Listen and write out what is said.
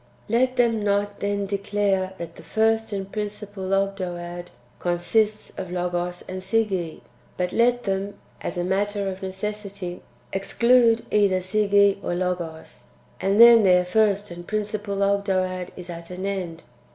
6. Let them not then declare that the first and principal Ogdoad consists of Logos and Sige, but let them [as a matter of necessity] exclude either Sige or Logos ; and then their first and principal Ogdoad is at an end.